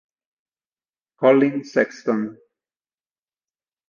Collin Sexton